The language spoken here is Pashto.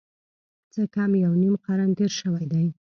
څه کم یو نیم قرن تېر شوی دی.